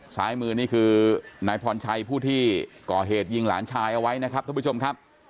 ซ้ายมือนี่คือนายพรชัยผู้ที่ก่อเหตุยิงหลานชายเอาไว้นะครับท่านผู้ชมครับ